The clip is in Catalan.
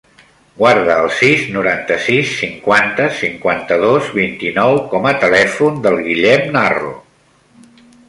Guarda el sis, noranta-sis, cinquanta, cinquanta-dos, vint-i-nou com a telèfon del Guillem Narro.